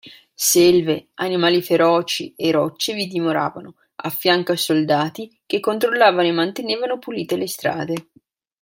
Selve, animali feroci e rocce vi dimoravano, affianco a soldati che controllavano e mantenevano pulite strade.